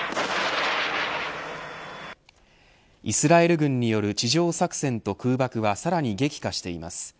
イスラエル軍による地上作戦と空爆はさらに激化しています。